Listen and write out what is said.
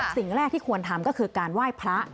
สิ่งแรกที่ควรทำก็คือการไหว้พระ